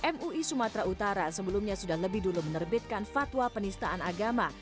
mui sumatera utara sebelumnya sudah lebih dulu menerbitkan fatwa penistaan agama